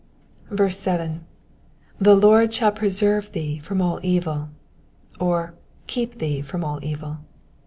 7. ^^The Lord shall preserve thee from aU evil,'*^ or ieep thee from all evil.